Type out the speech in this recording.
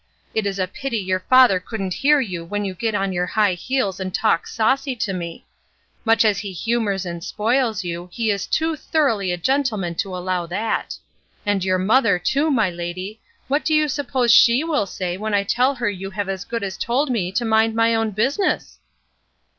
It is a pity your father couldn't hear you when you get on your high heels and talk saucy to me. Much as he humors and spoils you, he is too thoroughly a gentleman to allow that. And your mother, too, my lady, what do you suppose she will say when I tell her you have as good as told me to mind my own business?"